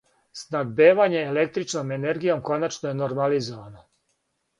Снабдевање електричном енергијом коначно је нормализовано.